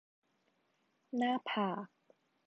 หน้าผาก